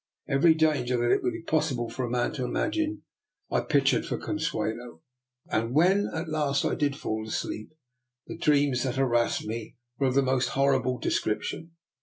Every danger that it would be possible for a man to imagine I pictured for Consuelo; and when at last I did fall asleep, the dreat/ns that harassed me were of the most horri|ble de scription.